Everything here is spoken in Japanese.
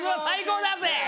最高だぜ！